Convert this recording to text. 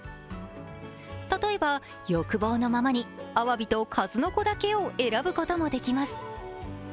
例えば、欲望のままに、あわびと数の子だけを選ぶこともできます。